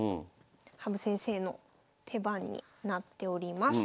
羽生先生の手番になっております。